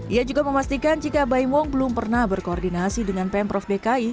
ia juga memastikan jika baim wong belum pernah berkoordinasi dengan pemprov dki